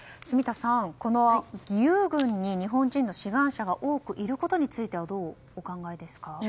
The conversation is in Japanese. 住田さん義勇兵に日本人の志願者が多くいることについてはどうお考えですか？